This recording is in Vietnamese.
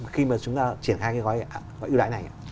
khi mà chúng ta triển khai cái gói ưu đại này ạ